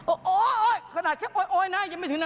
โอ๊ยโอ๊ยคือแค่เป็นโอ๊ยนะจะไม่ถึงนะ